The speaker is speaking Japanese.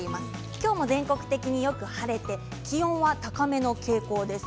今日も全国的によく晴れて気温は高めの傾向です。